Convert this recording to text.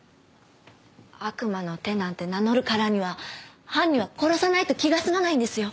悪魔の手なんて名乗るからには犯人は殺さないと気が済まないんですよ。